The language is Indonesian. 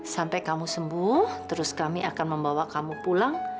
sampai kamu sembuh terus kami akan membawa kamu pulang